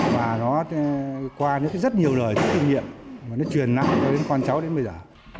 và nó qua những cái rất nhiều lời những kinh nghiệm mà nó truyền năng cho đến con cháu đến bây giờ